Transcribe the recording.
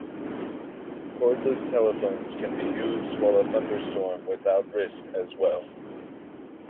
Cordless telephones can be used while a thunderstorm without risk as well.